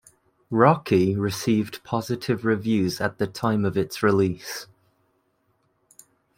"Rocky" received positive reviews at the time of its release.